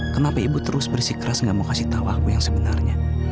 kenapa ibu terus bersikeras gak mau kasih tahu aku yang sebenarnya